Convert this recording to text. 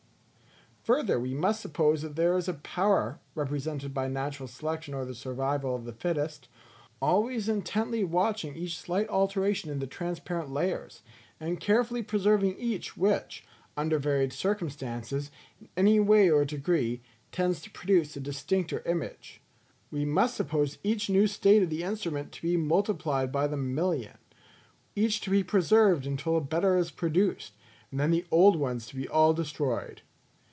Further we must suppose that there is a power, represented by natural selection or the survival of the fittest, always intently watching each slight alteration in the transparent layers; and carefully preserving each which, under varied circumstances, in any way or degree, tends to produce a distincter image. We must suppose each new state of the instrument to be multiplied by the million; each to be preserved until a better is produced, and then the old ones to be all destroyed.